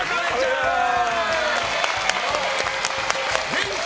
元気！